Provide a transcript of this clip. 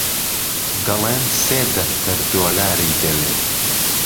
دەڵێن سێ دەفتەر دۆلاری دەوێ